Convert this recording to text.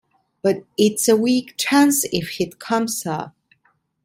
But it's a weak chance if he'd come, sir!